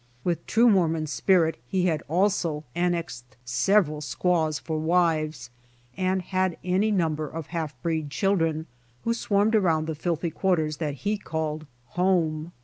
With true Mormon spirit he also annexed several squaws for wives, and had an}' number of half breed cliildren, who swarmed around the filthy quarters that he called home.